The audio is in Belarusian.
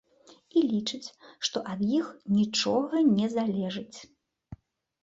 І лічаць, што ад іх нічога не залежыць.